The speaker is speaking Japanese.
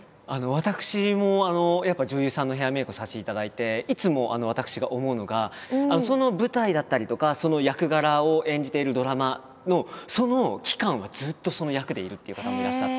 私もやっぱり女優さんのヘアメイクをさせていただいていつも私が思うのがその舞台だったりとかその役柄を演じているドラマのその期間はずっとその役でいるっていう方もいらっしゃって。